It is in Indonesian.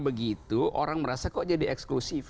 begitu orang merasa kok jadi eksklusif